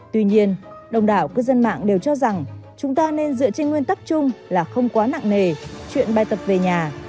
tuy nhiên đồng đảo cư dân mạng đều cho rằng chúng ta nên dựa trên nguyên tắc chung là không quá nặng nề chuyện bài tập về nhà